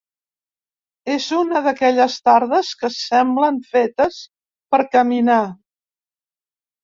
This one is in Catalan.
És una d'aquelles tardes que semblen fetes per caminar.